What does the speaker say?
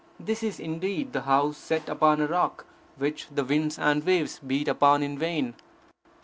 This is indeed the house set upon a rock, which the winds and waves beat upon in vain.